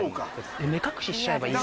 目隠ししちゃえばいい。